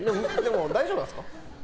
大丈夫なんですか？